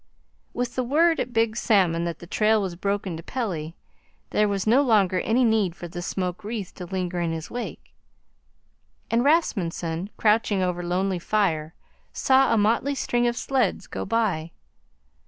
With the word at Big Salmon that the trail was broken to Pelly, there was no longer any need for the smoke wreath to linger in his wake; and Rasmunsen, crouching over lonely fire, saw a motley string of sleds go by.